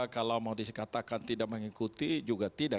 kalau mau dikatakan tidak mengikuti juga tidak